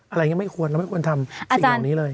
อะไรอย่างนี้ไม่ควรเราไม่ควรทำสิ่งเหล่านี้เลย